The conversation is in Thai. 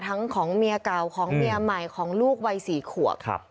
ของเมียเก่าของเมียใหม่ของลูกวัย๔ขวบ